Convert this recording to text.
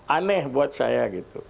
aneh buat saya